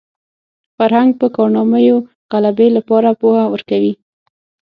فرهنګ پر ناکامیو غلبې لپاره پوهه ورکوي